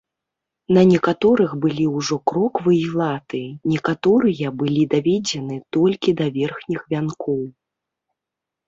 На некаторых былі ўжо кроквы і латы, некаторыя былі даведзены толькі да верхніх вянкоў.